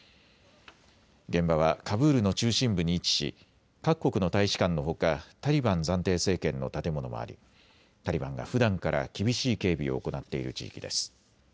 現場はカブールの中心部に位置し各国の大使館のほかタリバン暫定政権の建物もありタリバンがふだんから厳しい警備を行っている地域です。